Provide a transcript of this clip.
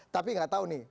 tapi gak tahu nih